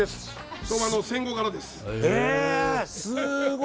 昭和の戦後からです。